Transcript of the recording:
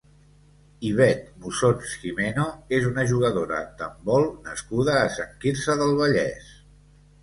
Ivet Musons Gimeno és una jugadora d'handbol nascuda a Sant Quirze del Vallès.